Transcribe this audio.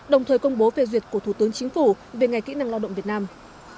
đồng thời công bố phê duyệt của thủ tướng chính phủ về ngày kỹ năng lao động việt nam